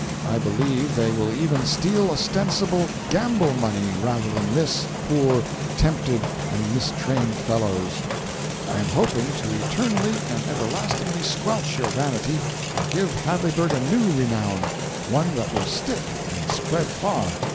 I believe they will even steal ostensible GAMBLE money, rather than miss, poor, tempted, and mistrained fellows. I am hoping to eternally and everlastingly squelch your vanity and give Hadleyburg a new renown one that will STICK and spread far.